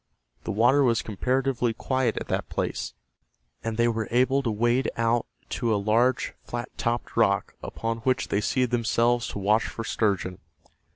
The water was comparatively quiet at that place, and they were able to wade out to a large flat topped rock upon which they seated themselves to watch for sturgeon.